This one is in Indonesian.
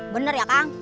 bener ya kang